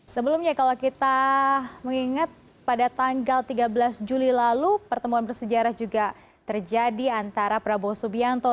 sebelumnya kalau kita mengingat pada tanggal tiga belas juli lalu pertemuan bersejarah juga terjadi antara prabowo subianto